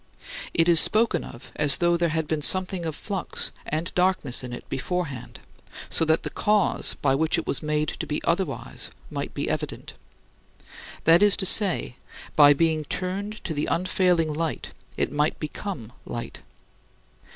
It is spoken of as though there had been something of flux and darkness in it beforehand so that the cause by which it was made to be otherwise might be evident. This is to say, by being turned to the unfailing Light it might become light.